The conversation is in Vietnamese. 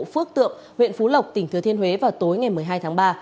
phước tượng huyện phú lộc tỉnh thừa thiên huế vào tối ngày một mươi hai tháng ba